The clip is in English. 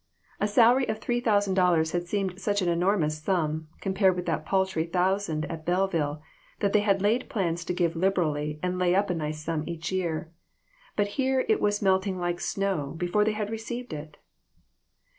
A salary of three thousand dollars had seemed such an enormous sum, compared with that paltry thousand at Belleville, that they had laid plans to give liberally, and lay up a nice sum each year; but here it was melting like snow, before they had received it